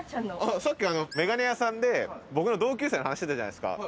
さっき眼鏡屋さんで僕の同級生の話してたじゃないですか。